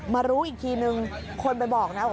มารู้อีกทีนึงคนไปบอกนะว่า